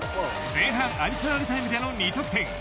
前半アディショナルタイムでの２得点。